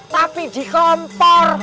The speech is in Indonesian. tapi di kompor